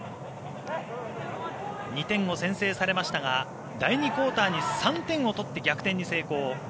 ２点を先制されましたが第２クオーターに３点を取って逆転に成功。